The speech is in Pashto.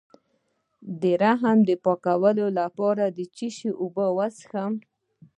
د رحم د پاکوالي لپاره د څه شي چای وڅښم؟